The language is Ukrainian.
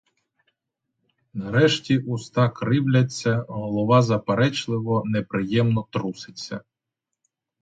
Нарешті уста кривляться, голова заперечливо, неприємно труситься.